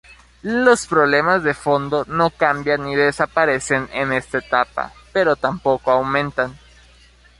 Los problemas de fondo no cambian ni desaparecen en esta etapa, pero tampoco aumentan.